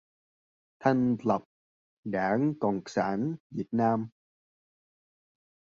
Thành lập Đảng Cộng sản Việt Nam